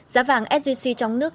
giá vàng sgc trong nước